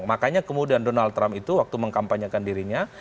makanya kemudian donald trump itu waktu mengkampanyekan dirinya